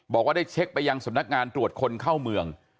บอกว่าได้เช็คไปยังสำนักงานตรวจคนเข้าเมือง